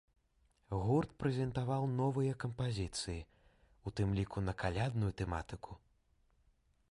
Гурт прэзентаваў новыя кампазіцыя, у тым ліку на калядную тэматыку.